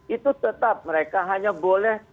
itu tetap mereka hanya boleh